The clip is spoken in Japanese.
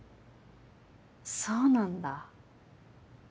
そうなんだ。